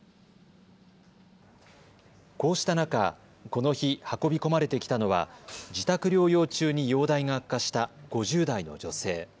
こうした中、この日運び込まれてきたのは自宅療養中に容体が悪化した５０代の女性。